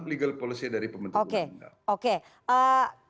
legal policy dari pembentuk undang undang oke